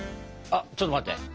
あっちょっと待って。